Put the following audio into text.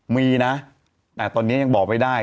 มีนะแต่ตอนนี้ยังบอกไม่ได้